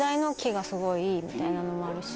みたいなのもあるし。